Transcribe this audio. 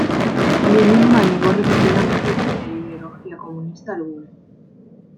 Lumumba negó repetidamente tener ideología comunista alguna.